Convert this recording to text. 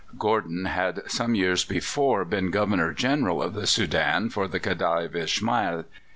Gordon had some years before been Governor General of the Soudan for the Khedive Ismail.